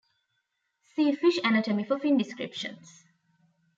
See fish anatomy for fin descriptions.